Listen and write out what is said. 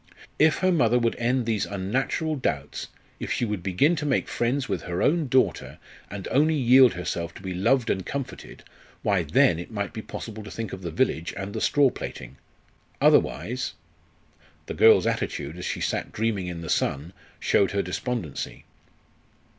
If her mother would end these unnatural doubts, if she would begin to make friends with her own daughter, and only yield herself to be loved and comforted, why then it might be possible to think of the village and the straw plaiting! Otherwise the girl's attitude as she sat dreaming in the sun showed her despondency.